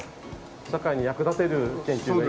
社会に役立てる研究が今。